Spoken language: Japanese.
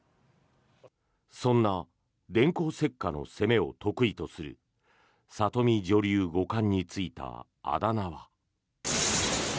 そんな電光石火の攻めを得意とする里見女流五冠についたあだ名は。